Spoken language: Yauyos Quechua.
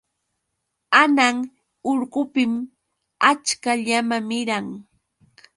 Hanay urqupim achka llama miran.